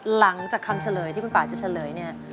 หลังจากคำเฉลยที่คุณป่าจะเฉลยเนี่ย